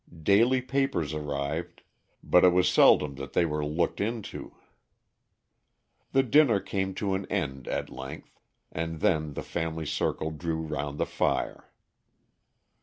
Daily papers arrived, but it was seldom that they were looked into. The dinner came to an end at length, and then the family circle drew round the fire.